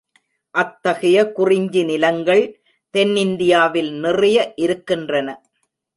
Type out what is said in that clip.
அத்தகைய குறிஞ்சி நிலங்கள் தென்னிந்தியாவில் நிறைய இருக்கின்றன.